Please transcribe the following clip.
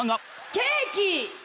ケーキ！